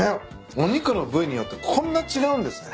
お肉の部位によってこんな違うんですね。